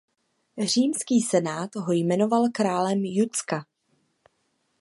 Římský senát ho jmenoval králem Judska.